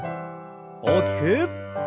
大きく。